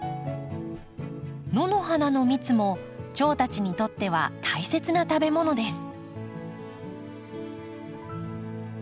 野の花の蜜もチョウたちにとっては大切な食べ物です。